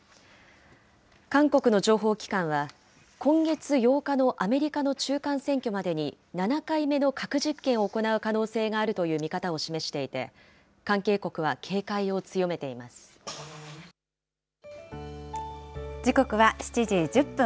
韓国の情報機関は今月８日のアメリカの中間選挙までに、７回目の核実験を行う可能性があるという見方を示していて、関係国は警戒時刻は７時１０分。